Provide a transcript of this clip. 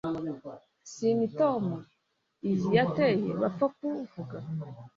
si imitoma iyi yateye bapfa kuvuga